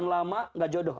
yang lama gak jodoh